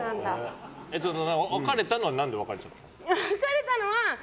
別れたのは何で別れちゃったの？